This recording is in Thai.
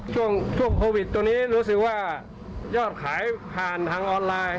ช่วงโควิดตัวนี้รู้สึกว่ายอดขายผ่านทางออนไลน์